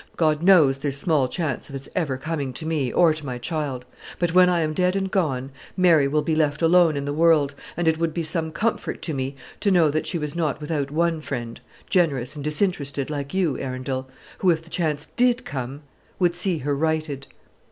God knows there's small chance of its ever coming to me or to my child; but when I am dead and gone, Mary will be left alone in the world, and it would be some comfort to me to know that she was not without one friend generous and disinterested like you, Arundel, who, if the chance did come, would see her righted."